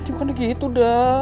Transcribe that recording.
bukan begitu dah